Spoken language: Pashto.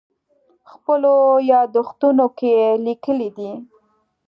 خپلو یادښتونو کې لیکلي دي.